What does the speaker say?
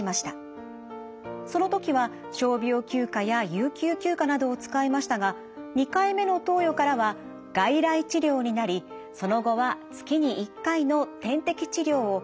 その時は傷病休暇や有給休暇などを使いましたが２回目の投与からは外来治療になりその後は月に１回の点滴治療を外来で継続しています。